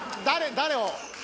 誰を？